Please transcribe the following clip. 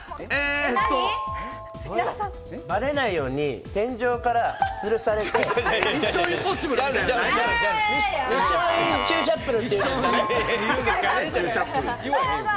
ばれないように天井からつるされてミッションイン注射ップルって言うんですかね。